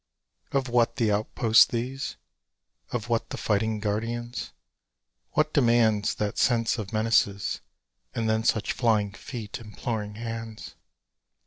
Of what the outposts these? Of what the fighting guardians? What demands That sense of menaces, And then such flying feet, imploring hands?